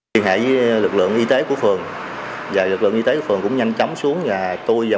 tuyên hệ với lực lượng y tế của phường và lực lượng y tế của phường cũng nhanh chóng xuống là tôi và